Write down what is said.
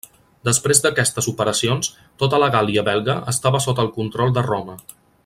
Després d'aquestes operacions, tota la Gàl·lia Belga estava sota el control de Roma.